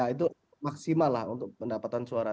itu maksimal lah untuk pendapatan suara